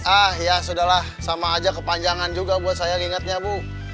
ah ya sudahlah sama aja kepanjangan juga buat saya ingatnya bu